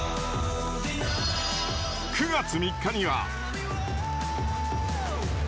９月３日には。